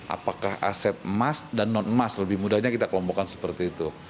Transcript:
apakah aset emas dan non emas lebih mudahnya kita kelompokkan seperti itu